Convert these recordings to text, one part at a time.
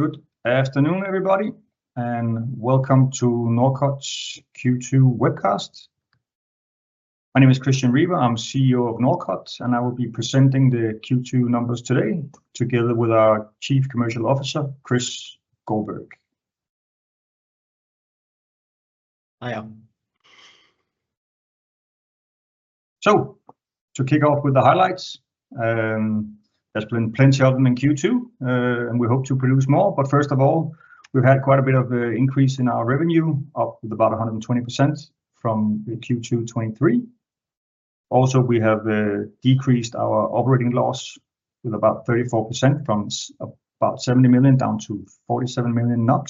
Good afternoon, everybody, and welcome to Norcod's Q2 webcast. My name is Christian Riber, I'm CEO of Norcod, and I will be presenting the Q2 numbers today, together with our Chief Commercial Officer, Chris Guldberg. Hi, all. To kick off with the highlights, there's been plenty of them in Q2, and we hope to produce more. But first of all, we've had quite a bit of a increase in our revenue, up with about 120% from the Q2 2023. Also, we have decreased our operating loss with about 34%, from about 70 million NOK down to 47 million NOK.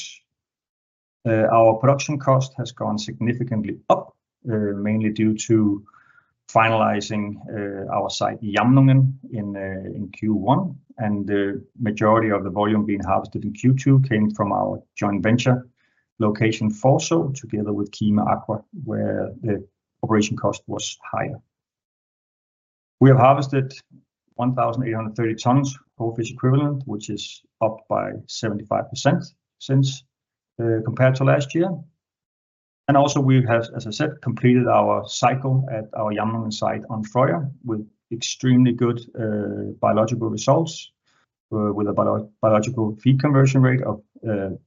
Our production cost has gone significantly up, mainly due to finalizing our site, Jamnungen, in Q1. The majority of the volume being harvested in Q2 came from our joint venture location, Forså, together with Kime Akva, where the operation cost was higher. We have harvested 1,830 tons of fish equivalent, which is up 75% compared to last year. We also have, as I said, completed our cycle at our Jamnungen site on Frøya with extremely good biological results, with a biological feed conversion rate of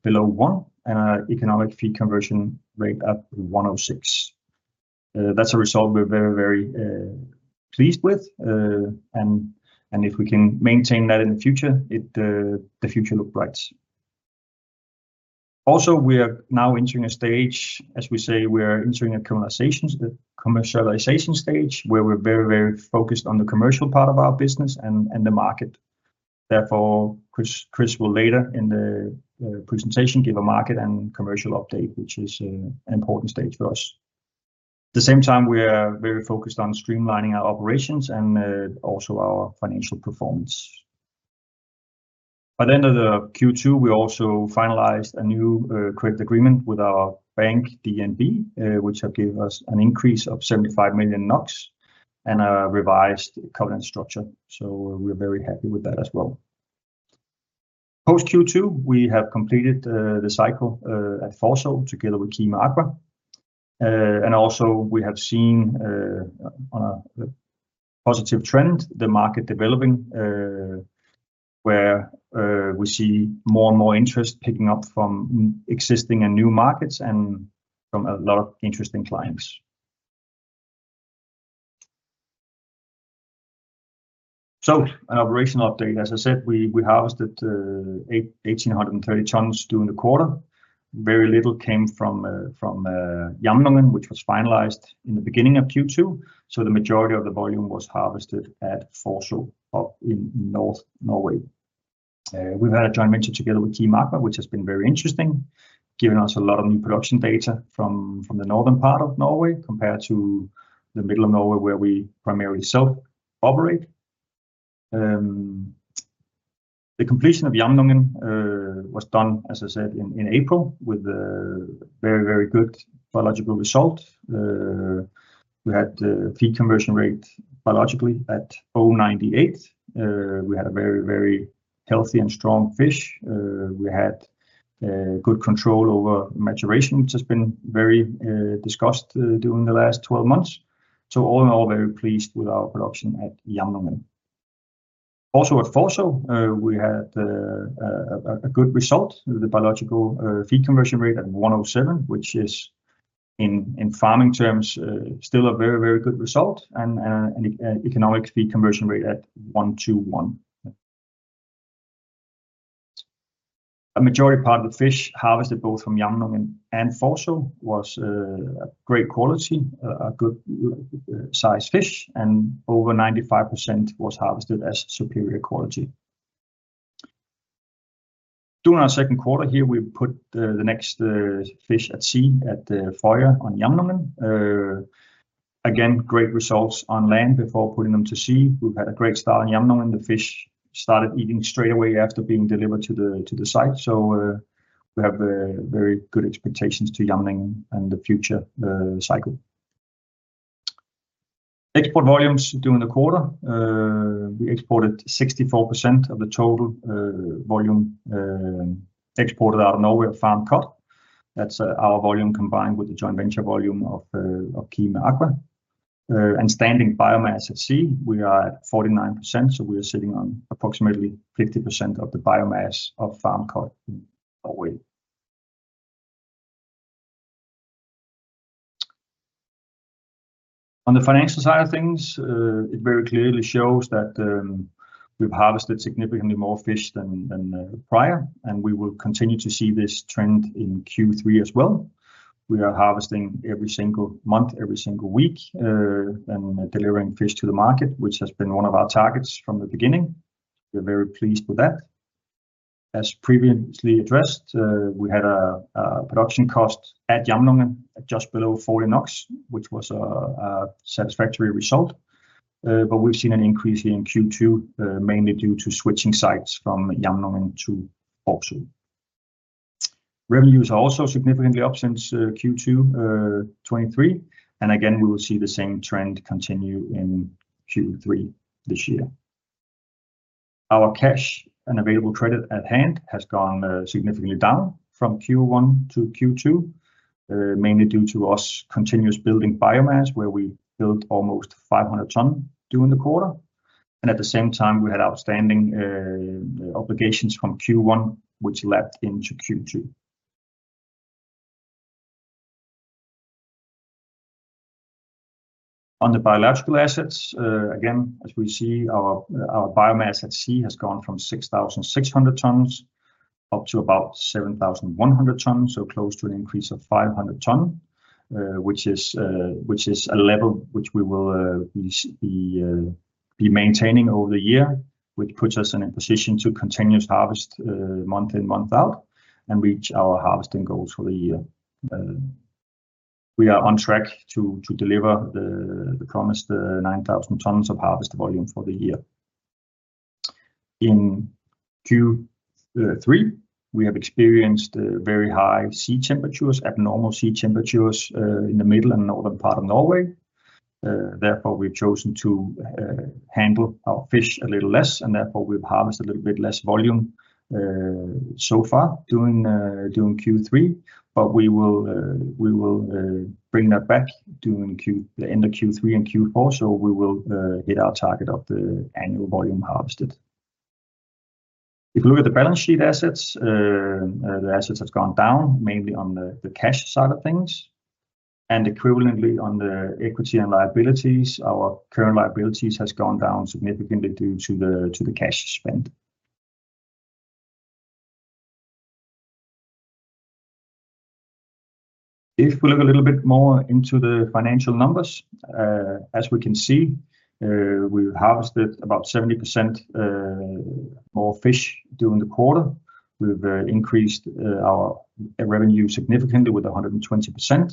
below 1 and an economic feed conversion rate up to 1.06. That's a result we're very, very pleased with. And if we can maintain that in the future, the future looks bright. Also, we are now entering a stage, as we say, we are entering a commercialization stage, where we're very, very focused on the commercial part of our business and the market. Therefore, Chris will later in the presentation give a market and commercial update, which is an important stage for us. At the same time, we are very focused on streamlining our operations and also our financial performance. By the end of the Q2, we also finalized a new credit agreement with our bank, DNB, which have gave us an increase of 75 million NOK and a revised covenant structure, so we're very happy with that as well. Post Q2, we have completed the cycle at Forså, together with Kime Akva. And also we have seen on a positive trend the market developing where we see more and more interest picking up from existing and new markets and from a lot of interesting clients. So an operational update. As I said, we harvested 1,830 tons during the quarter. Very little came from Jamnungen, which was finalized in the beginning of Q2, so the majority of the volume was harvested at Forså, up in North Norway. We've had a joint venture together with Kime Akva, which has been very interesting, giving us a lot of new production data from the northern part of Norway, compared to the middle of Norway, where we primarily self-operate. The completion of Jamnungen was done, as I said, in April, with a very, very good biological result. We had a biological feed conversion rate at 0.98. We had a very, very healthy and strong fish. We had good control over maturation, which has been very discussed during the last 12 months. So all in all, very pleased with our production at Jamnungen. Also at Forså, we had a good result. The biological feed conversion rate at 1.07, which is, in farming terms, still a very, very good result, and an economic feed conversion rate at 1.21. A majority part of the fish harvested, both from Jamnungen and Forså, was a great quality, a good size fish, and over 95% was harvested as superior quality. During our second quarter here, we put the next fish at sea at the Frøya on Jamnungen. Again, great results on land before putting them to sea. We've had a great start in Jamnungen, the fish started eating straight away after being delivered to the site, so we have a very good expectations to Jamnungen and the future cycle. Export volumes during the quarter. We exported 64% of the total volume exported out of Norwegian farmed cod. That's our volume combined with the joint venture volume of Kime Akva. And standing biomass at sea, we are at 49%, so we are sitting on approximately 50% of the biomass of farmed cod in Norway. On the financial side of things, it very clearly shows that we've harvested significantly more fish than prior, and we will continue to see this trend in Q3 as well. We are harvesting every single month, every single week, and delivering fish to the market, which has been one of our targets from the beginning. We're very pleased with that. As previously addressed, we had a production cost at Jamnungen at just below 40 NOK, which was a satisfactory result. But we've seen an increase here in Q2, mainly due to switching sites from Jamnungen to Forså. Revenues are also significantly up since Q2 2023, and again, we will see the same trend continue in Q3 this year. Our cash and available credit at hand has gone significantly down from Q1 to Q2, mainly due to us continuous building biomass, where we built almost 500 ton during the quarter, and at the same time, we had outstanding obligations from Q1, which lapped into Q2. On the biological assets, again, as we see, our biomass at sea has gone from six thousand six hundred tons up to about seven thousand one hundred tons, so close to an increase of five hundred ton. Which is a level which we will be maintaining over the year, which puts us in a position to continuous harvest month in, month out, and reach our harvesting goals for the year. We are on track to deliver the promised nine thousand tons of harvest volume for the year. In Q three, we have experienced very high sea temperatures, abnormal sea temperatures in the middle and northern part of Norway. Therefore, we've chosen to handle our fish a little less, and therefore, we've harvested a little bit less volume so far during Q3. But we will bring that back during the end of Q3 and Q4, so we will hit our target of the annual volume harvested. If you look at the balance sheet assets, the assets have gone down, mainly on the cash side of things, and equivalently on the equity and liabilities. Our current liabilities has gone down significantly due to the cash spend. If we look a little bit more into the financial numbers, as we can see, we've harvested about 70% more fish during the quarter. We've increased our revenue significantly 120%,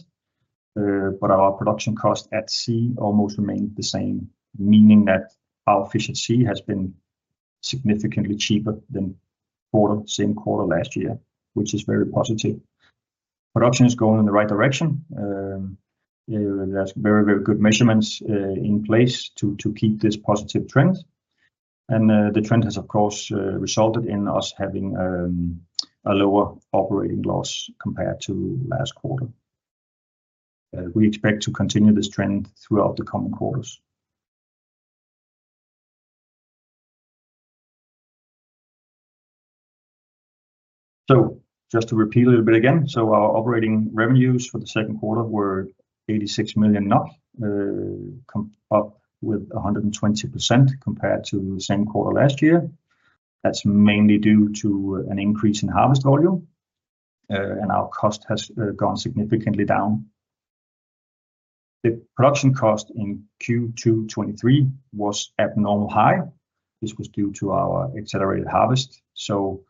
but our production cost at sea almost remained the same, meaning that our fish at sea has been significantly cheaper than quarter, same quarter last year, which is very positive. Production is going in the right direction. There's very, very good measurements in place to keep this positive trend, and the trend has, of course, resulted in us having a lower operating loss compared to last quarter. We expect to continue this trend throughout the coming quarters. So just to repeat a little bit again, so our operating revenues for the second quarter were 86 million NOK, up 120% compared to the same quarter last year. That's mainly due to an increase in harvest volume, and our cost has gone significantly down. The production cost in Q2 2023 was abnormally high. This was due to our accelerated harvest, so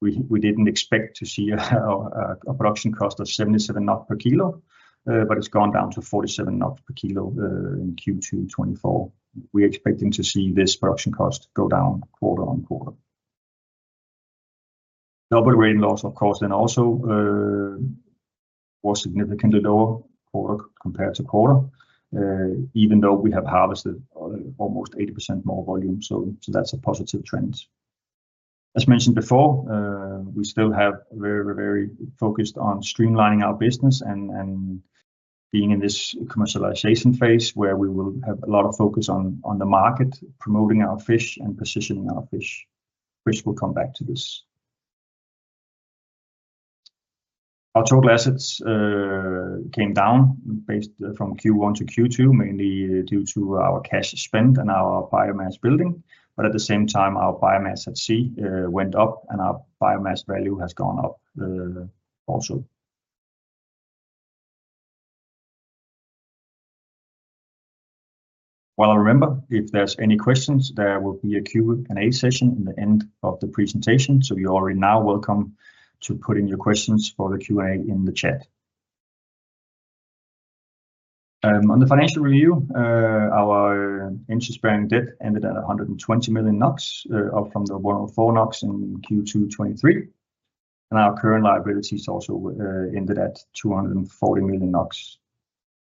we didn't expect to see a production cost of 77 NOK per kilo, but it's gone down to 47 NOK per kilo, in Q2 2024. We're expecting to see this production cost go down quarter on quarter. Operating loss, of course, then also, was significantly lower quarter compared to quarter, even though we have harvested almost 80% more volume, so that's a positive trend. As mentioned before, we still have very, very focused on streamlining our business and being in this commercialization phase, where we will have a lot of focus on the market, promoting our fish and positioning our fish, which we'll come back to this. Our total assets came down based from Q1 to Q2, mainly due to our cash spend and our biomass building, but at the same time, our biomass at sea went up, and our biomass value has gone up also. Remember, if there's any questions, there will be a Q&A session in the end of the presentation, so you are now welcome to put in your questions for the Q&A in the chat. On the financial review, our interest-bearing debt ended at 120 million NOK, up from 104 million NOK in Q2 2023, and our current liabilities also ended at 240 million NOK.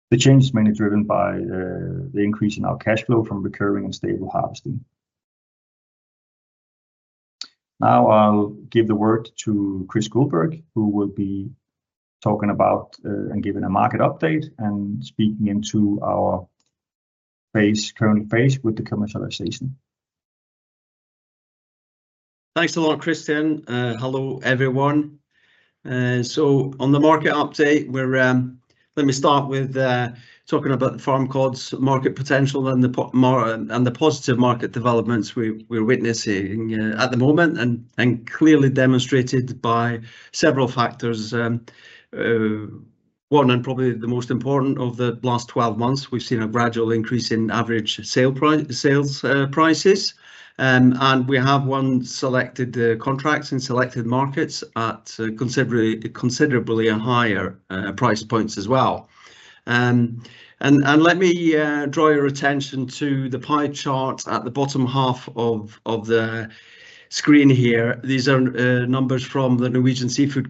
The change is mainly driven by the increase in our cash flow from recurring and stable harvesting. Now I'll give the word to Chris Guldberg, who will be talking about and giving a market update, and speaking into our current phase with the commercialization. Thanks a lot, Christian. Hello, everyone. So on the market update, we're, let me start with, talking about the farmed cod's market potential and the positive market developments we're witnessing at the moment, and clearly demonstrated by several factors. One, and probably the most important, over the last 12 months, we've seen a gradual increase in average sales prices. And we have won selected contracts in selected markets at considerably higher price points as well. And let me draw your attention to the pie chart at the bottom half of the screen here. These are numbers from the Norwegian Seafood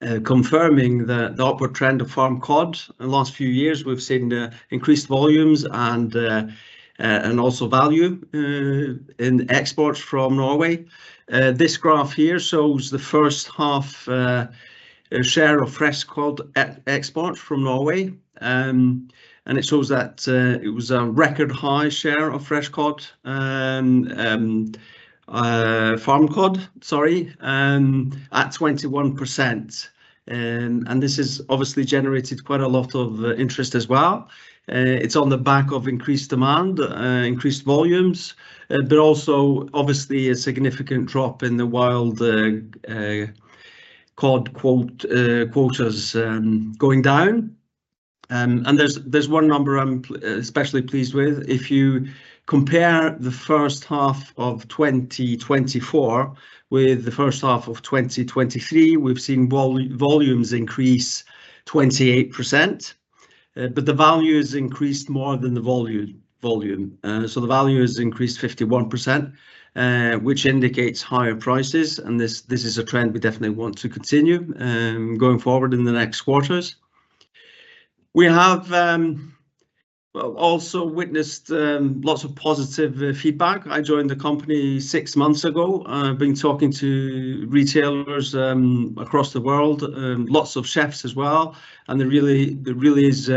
Council, confirming that the upward trend of farmed cod. In the last few years, we've seen increased volumes and also value in exports from Norway. This graph here shows the first half share of fresh cod export from Norway. And it shows that it was a record high share of fresh cod and farmed cod, sorry, at 21%. And this has obviously generated quite a lot of interest as well. It's on the back of increased demand, increased volumes, but also obviously a significant drop in the wild cod quotas going down. And there's one number I'm especially pleased with. If you compare the first half of 2024 with the first half of 2023, we've seen volumes increase 28%. But the value has increased more than the volume. So the value has increased 51%, which indicates higher prices, and this is a trend we definitely want to continue going forward in the next quarters. We have well also witnessed lots of positive feedback. I joined the company six months ago, and I've been talking to retailers across the world, lots of chefs as well, and there really is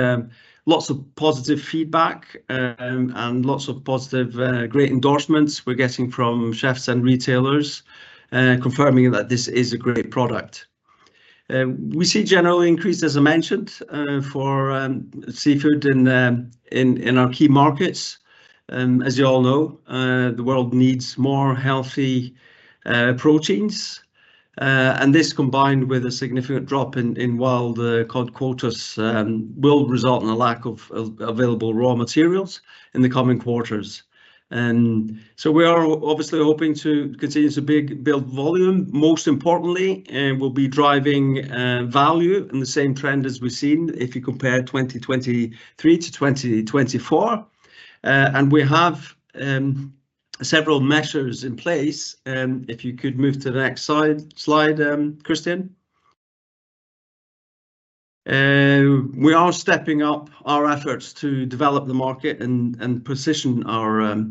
lots of positive feedback and lots of positive great endorsements we're getting from chefs and retailers confirming that this is a great product. We see general increase, as I mentioned, for seafood in our key markets. As you all know, the world needs more healthy proteins. This, combined with a significant drop in wild cod quotas, will result in a lack of available raw materials in the coming quarters. And so we are obviously hoping to continue to build volume. Most importantly, we'll be driving value in the same trend as we've seen if you compare 2023 to 2024. And we have several measures in place. If you could move to the next slide, Christian. We are stepping up our efforts to develop the market and position our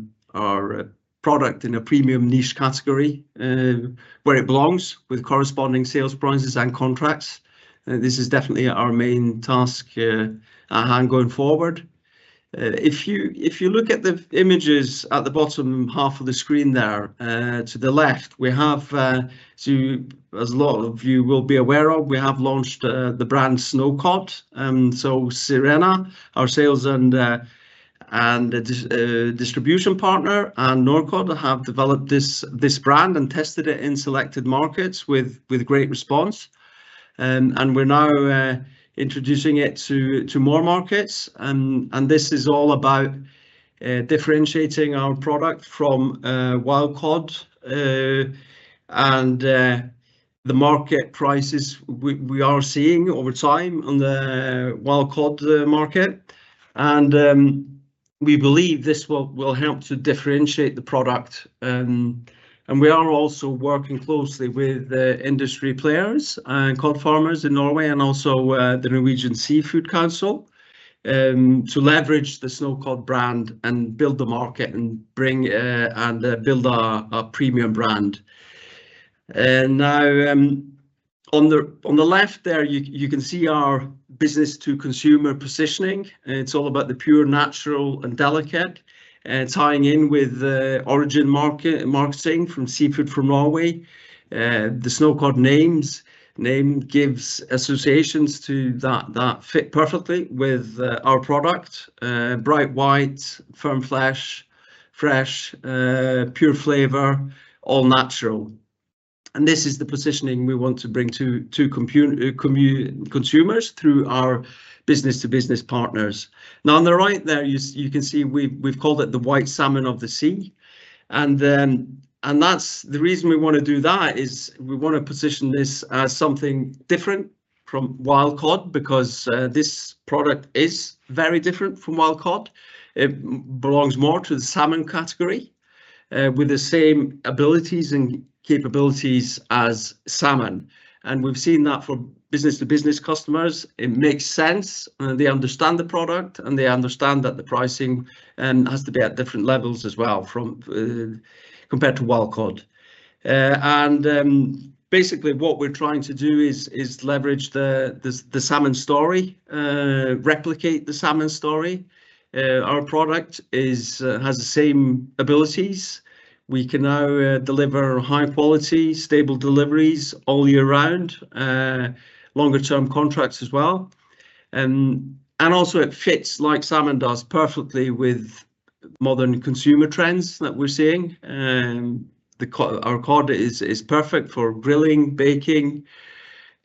product in a premium niche category where it belongs, with corresponding sales prices and contracts. This is definitely our main task at hand going forward. If you look at the images at the bottom half of the screen there, to the left, we have. So as a lot of you will be aware of, we have launched the brand Snow Cod. So Sirena, our sales and distribution partner, and Norcod have developed this brand and tested it in selected markets with great response. And we're now introducing it to more markets. And this is all about differentiating our product from wild cod and the market prices we are seeing over time on the wild cod market. And we believe this will help to differentiate the product. We are also working closely with the industry players and cod farmers in Norway and also the Norwegian Seafood Council to leverage the Snow Cod brand and build the market and bring and build a premium brand. Now, on the left there, you can see our business-to-consumer positioning, and it's all about the pure, natural, and delicate, tying in with the origin marketing from Seafood from Norway. The Snow Cod name gives associations to that that fit perfectly with our product: bright white, firm flesh, fresh, pure flavor, all natural. This is the positioning we want to bring to consumers through our business-to-business partners. Now, on the right there, you can see we've called it the white salmon of the sea. And then that's. The reason we want to do that is we want to position this as something different from wild cod, because this product is very different from wild cod. It belongs more to the salmon category, with the same abilities and capabilities as salmon, and we've seen that for business-to-business customers. It makes sense, they understand the product, and they understand that the pricing has to be at different levels as well from compared to wild cod, and basically what we're trying to do is leverage the salmon story, replicate the salmon story. Our product has the same abilities. We can now deliver high quality, stable deliveries all year round, longer term contracts as well, and also it fits, like salmon does, perfectly with modern consumer trends that we're seeing. Our cod is perfect for grilling, baking,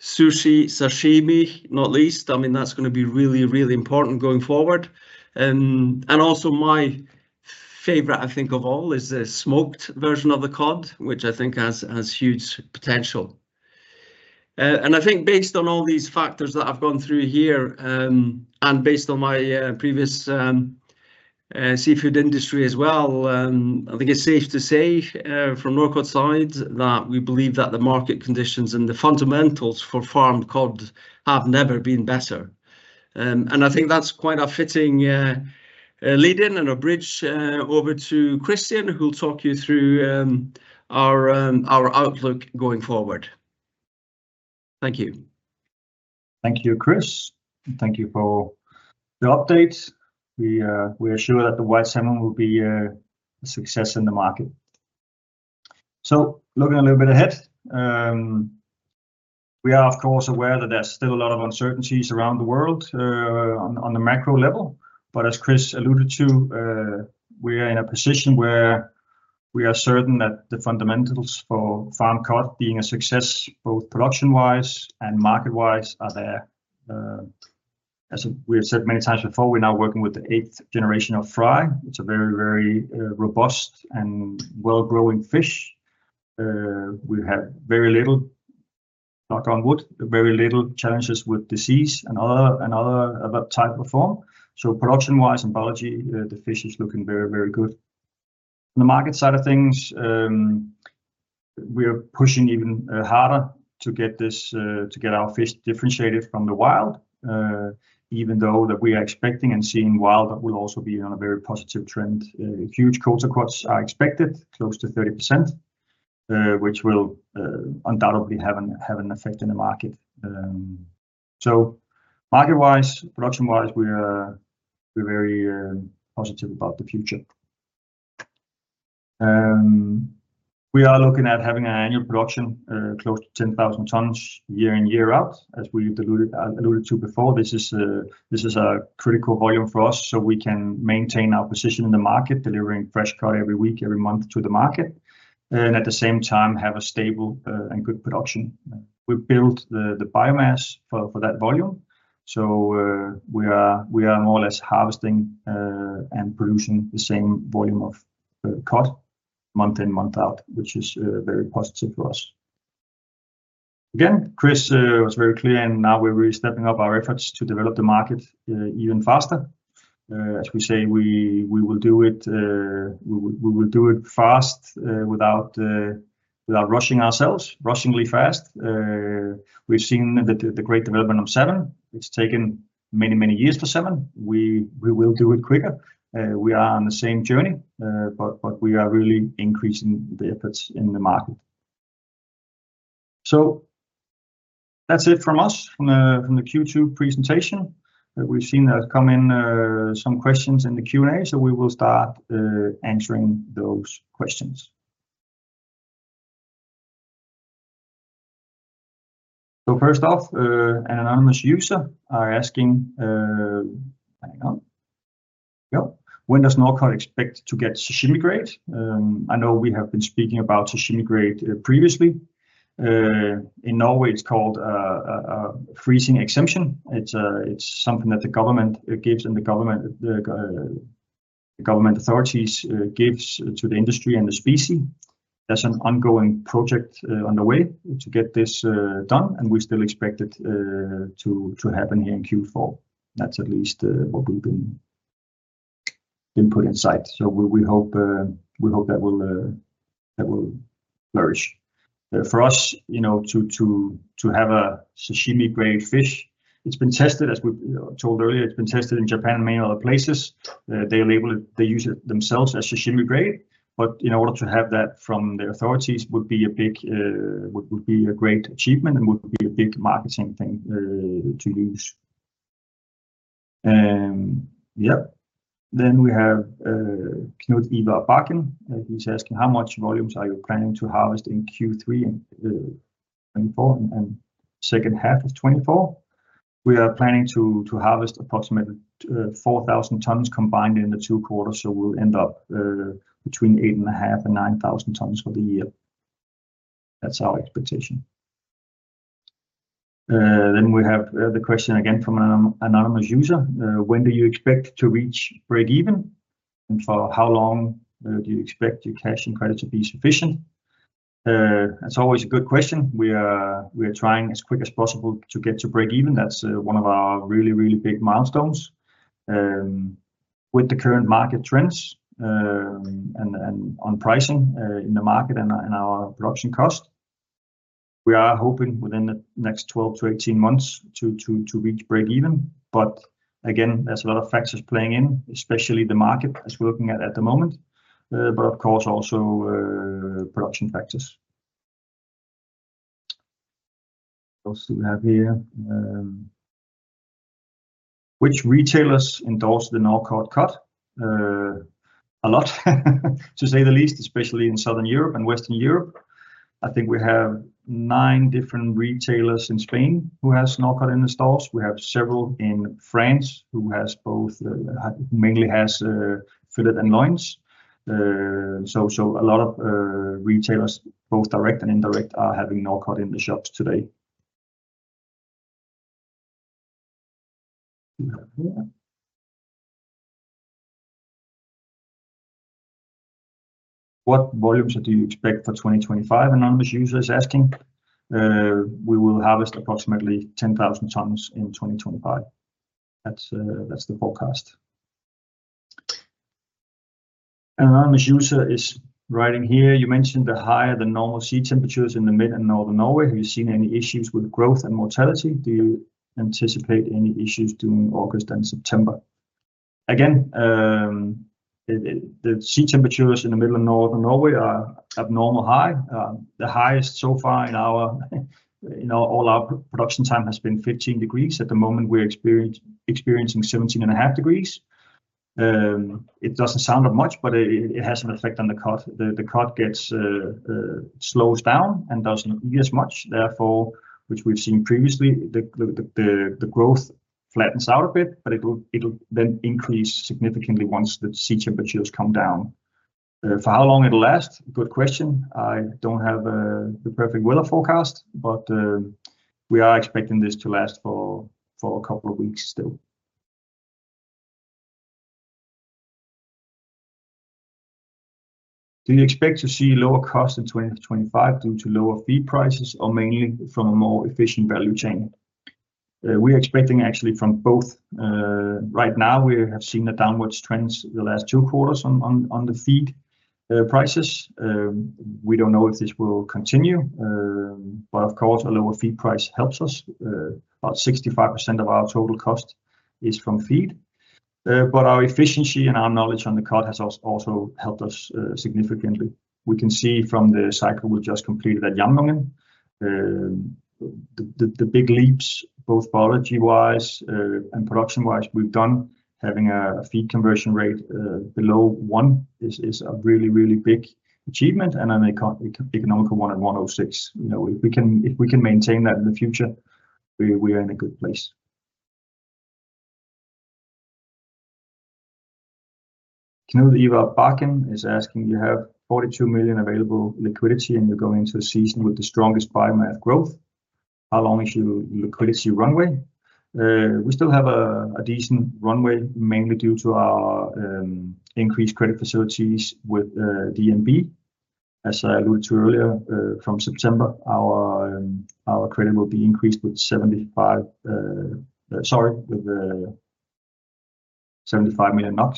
sushi, sashimi, not least. I mean, that's gonna be really, really important going forward. And also my favorite, I think, of all is the smoked version of the cod, which I think has huge potential. And I think based on all these factors that I've gone through here, and based on my previous seafood industry as well, I think it's safe to say, from Norcod side, that we believe that the market conditions and the fundamentals for farmed cod have never been better. And I think that's quite a fitting lead in and a bridge over to Christian, who will talk you through our outlook going forward. Thank you. Thank you, Chris, and thank you for the update. We are sure that the white salmon will be a success in the market. So looking a little bit ahead, we are, of course, aware that there's still a lot of uncertainties around the world, on the macro level, but as Chris alluded to, we are in a position where we are certain that the fundamentals for farmed cod being a success, both production-wise and market-wise, are there. As we have said many times before, we're now working with the eighth generation of fry. It's a very, very robust and well growing fish. We have very little, knock on wood, very little challenges with disease and other of that type of form. So production-wise and biology, the fish is looking very, very good. On the market side of things, we are pushing even harder to get our fish differentiated from the wild. Even though we are expecting and seeing wild, that will also be on a very positive trend. Huge quota quotes are expected, close to 30%, which will undoubtedly have an effect in the market. So market-wise, production-wise, we're very positive about the future. We are looking at having an annual production close to 10,000 tons year in, year out, as we've alluded to before. This is a critical volume for us, so we can maintain our position in the market, delivering fresh cod every week, every month to the market, and at the same time, have a stable and good production. We've built the biomass for that volume, so we are more or less harvesting and producing the same volume of cod month in, month out, which is very positive for us. Again, Chris was very clear, and now we're really stepping up our efforts to develop the market even faster. As we say, we will do it fast without rushing ourselves, rushingly fast. We've seen the great development of salmon. It's taken many years for salmon. We will do it quicker. We are on the same journey, but we are really increasing the efforts in the market. So that's it from us, from the Q2 presentation. We've seen that come in some questions in the Q&A, so we will start answering those questions. So first off, an anonymous user are asking. When does Norcod expect to get sashimi grade? I know we have been speaking about sashimi grade previously. In Norway, it's called freezing exemption. It's something that the government gives and the government authorities gives to the industry and the species. That's an ongoing project underway to get this done, and we still expect it to happen here in Q4. That's at least what we've been put in sight. So we hope that will flourish. For us, you know, to have a sashimi grade fish, it's been tested, as we told earlier, it's been tested in Japan and many other places. They label it, they use it themselves as sashimi grade, but in order to have that from the authorities would be a big, would be a great achievement and would be a big marketing thing, to use. Yep. Then we have, Knut-Ivar Bakken, he's asking, "How much volumes are you planning to harvest in Q3 and 2024 and second half of twenty-four? We are planning to harvest approximately, four thousand tons combined in the two quarters, so we'll end up, between eight and a half and nine thousand tons for the year. That's our expectation. Then we have the question again from an anonymous user: "When do you expect to reach break even, and for how long do you expect your cash and credit to be sufficient?" That's always a good question. We are trying as quick as possible to get to break even. That's one of our really, really big milestones. With the current market trends and on pricing in the market and our production cost, we are hoping within the next twelve to eighteen months to reach break even. But again, there's a lot of factors playing in, especially the market, as we're looking at the moment, but of course, also production factors. What else do we have here? Which retailers endorse the Norcod cod? A lot, to say the least, especially in Southern Europe and Western Europe. I think we have nine different retailers in Spain who has Norcod in the stores. We have several in France, who has both, mainly has, filet and loins. So a lot of retailers, both direct and indirect, are having Norcod in the shops today. We have here. What volumes do you expect for twenty twenty-five? Anonymous user is asking. We will harvest approximately 10,000 tons in twenty twenty-five. That's the forecast. Anonymous user is writing here: You mentioned the higher than normal sea temperatures in the mid and northern Norway. Have you seen any issues with growth and mortality? Do you anticipate any issues during August and September? Again, the sea temperatures in the middle of northern Norway are abnormal high. The highest so far in all our production time has been 15 degrees. At the moment, we're experiencing 17.5 degrees. It doesn't sound like much, but it has an effect on the cod. The cod slows down and doesn't eat as much, therefore, which we've seen previously, the growth flattens out a bit, but it'll then increase significantly once the sea temperatures come down. For how long it'll last? Good question. I don't have the perfect weather forecast, but we are expecting this to last for a couple of weeks still. Do you expect to see lower costs in twenty twenty-five due to lower feed prices or mainly from a more efficient value chain? We're expecting actually from both. Right now, we have seen a downward trend in the last two quarters on the feed prices. We don't know if this will continue, but of course, a lower feed price helps us. About 65% of our total cost is from feed. But our efficiency and our knowledge on the cod has also helped us significantly. We can see from the cycle we just completed at Jamnungen, the big leaps, both biology-wise, and production-wise, we've done. Having a feed conversion rate below 1 is a really big achievement, and an economical one at 1.6. You know, if we can maintain that in the future, we are in a good place. Knut-Ivar Bakken is asking: You have 42 million NOK available liquidity, and you're going into a season with the strongest biomass growth. How long is your liquidity runway? We still have a decent runway, mainly due to our increased credit facilities with DNB. As I alluded to earlier, from September, our credit will be increased with 75 million NOK,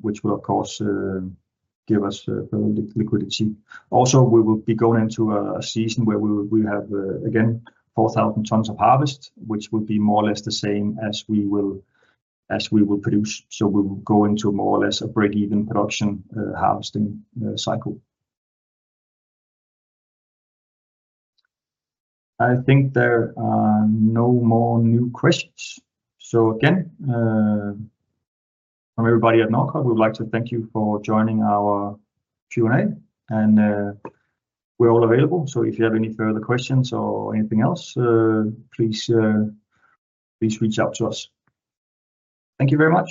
which will, of course, give us liquidity. Also, we will be going into a season where we have again 4,000 tons of harvest, which will be more or less the same as we will produce. So we will go into more or less a break-even production harvesting cycle. I think there are no more new questions. So again, from everybody at Norcod, we would like to thank you for joining our Q&A, and we're all available, so if you have any further questions or anything else, please reach out to us. Thank you very much.